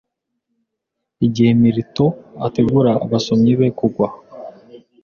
igihe Milton, ategura abasomyi be kugwa,